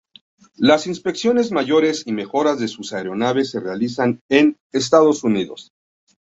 Las inspecciones mayores y mejoras de sus aeronaves se realizan en Estados Unidos.